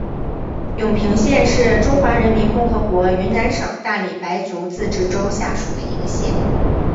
永平县是中华人民共和国云南省大理白族自治州下属的一个县。